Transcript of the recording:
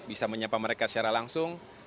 bisa menyapa mereka secara langsung